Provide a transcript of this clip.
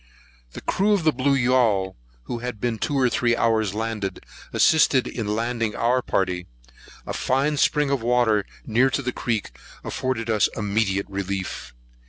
The crew of the blue yaul, who had been two or three hours landed, assisted in landing our party. A fine spring of water near to the creek afforded us immediate relief.